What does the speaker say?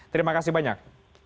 terima kasih banyak